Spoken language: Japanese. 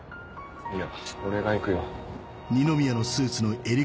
いや俺が行くよ。